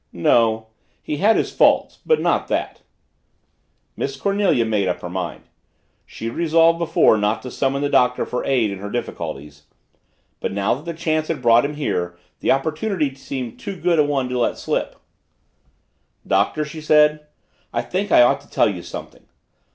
"No! He had his faults but not that." Miss Cornelia made up her mind. She had resolved before not to summon the Doctor for aid in her difficulties, but now that chance had brought him here the opportunity seemed too good a one to let slip. "Doctor," she said, "I think I ought to tell you something.